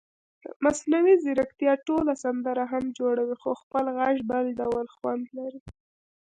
مصنوعي ځیرکتیا ټوله سندره هم جوړوي خو خپل غږ بل ډول خوند لري.